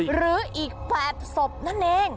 หรืออีก๘ศพนั่นเอง